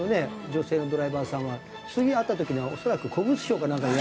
女性のドライバーさんは次会った時には恐らく古物商かなんかをやって。